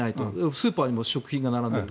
スーパーにも食品が並んでいる。